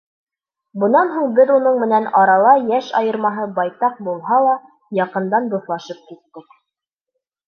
Бынан һуң беҙ уның менән, арала йәш айырмаһы байтаҡ булһа ла, яҡындан дуҫлашып киттек.